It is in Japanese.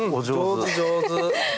上手上手。